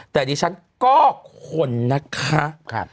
แต่ดิฉันก็คนนะคะ